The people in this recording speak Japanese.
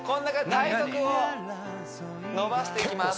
体側を伸ばしていきます